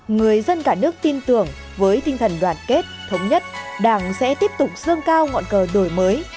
người dân cả nước tin tưởng với tinh thần đoàn kết thống nhất đảng sẽ tiếp tục sơn cao ngọn cờ đổi mới